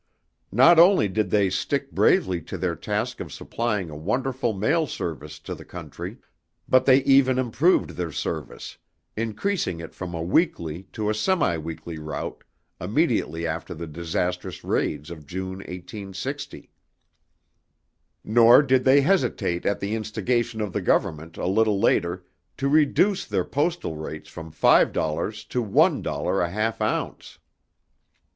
Not only did they stick bravely to their task of supplying a wonderful mail service to the country, but they even improved their service, increasing it from a weekly to a semi weekly route, immediately after the disastrous raids of June, 1860. Nor did they hesitate at the instigation of the Government a little later to reduce their postal rates from five dollars to one dollar a half ounce.